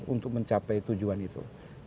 untuk mencapai tujuan itu